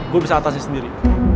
gua bisa atasnya sendiri